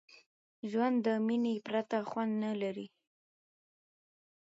ژوند د میني پرته خوند نه لري.